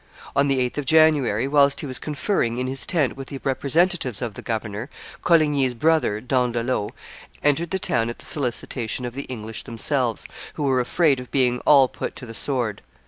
On the 8th of January, whilst he was conferring in his tent with the representatives of the governor, Coligny's brother, D'Andelot, entered the town at the solicitation of the English themselves, who were afraid of being all put to the sword.